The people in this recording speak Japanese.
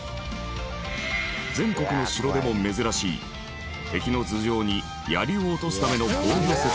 全国の城でも珍しい敵の頭上に槍を落とすための防御設備。